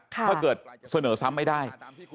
ถ้าเกิดเสนอซ้ำไม่ได้